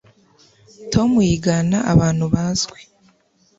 tom yigana abantu bazwi